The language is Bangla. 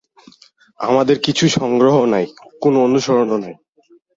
আমাদের কিছু সংগ্রহও নাই, কোনো অনুসরনও নেই।